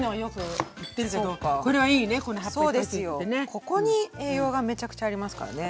ここに栄養がめちゃくちゃありますからね。